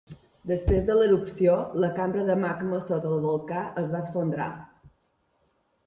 Després de l'erupció, la cambra de magma sota el volcà es va esfondrar.